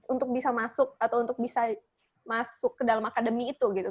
untuk bisa masuk atau untuk bisa masuk ke dalam akademi itu gitu